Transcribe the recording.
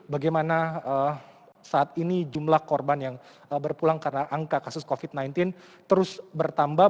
bagaimana saat ini jumlah korban yang berpulang karena angka kasus covid sembilan belas terus bertambah